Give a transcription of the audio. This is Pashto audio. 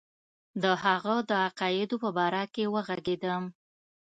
د هغه د عقایدو په باره کې وږغېږم.